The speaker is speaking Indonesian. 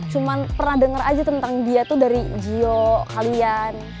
cuma pernah dengar aja tentang dia tuh dari gio kalian